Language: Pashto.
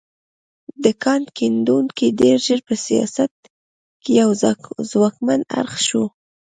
دا کان کیندونکي ډېر ژر په سیاست کې یو ځواکمن اړخ شو.